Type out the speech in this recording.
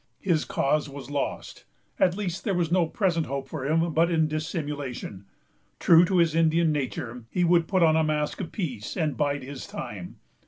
His cause was lost. At least, there was no present hope for him but in dissimulation. True to his Indian nature, he would put on a mask of peace, and bide his time.